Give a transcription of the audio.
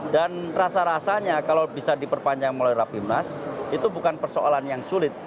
dan rasa rasanya kalau bisa diperpanjang melalui raffi ibn nas itu bukan persoalan yang sulit